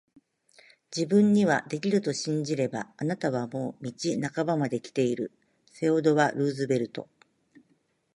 自分にはできると信じれば、あなたはもう道半ばまで来ている～セオドア・ルーズベルト～